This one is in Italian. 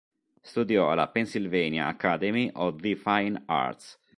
Studiò alla Pennsylvania Academy of the Fine Arts.